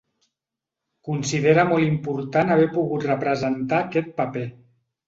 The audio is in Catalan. Considera molt important haver pogut representar aquest paper.